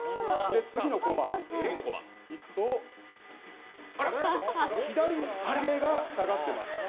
次のコマ、いくと左ひげが下がってます。